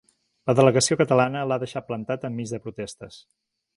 La delegació catalana l’ha deixat plantat enmig de protestes.